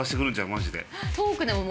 マジで。